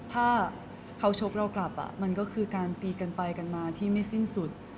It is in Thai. ถ้าเขาชกเรากลับมันก็คือการตีกันไปกันมาที่ไม่สิ้นสุด